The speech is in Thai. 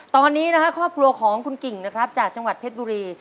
ตอนนี้นะฮะครอบครัวของคุณกิ่งนะครับจากจังหวัดเพชรบุรี